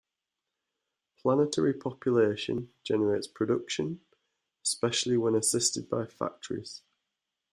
Planetary population generates production, especially when assisted by factories.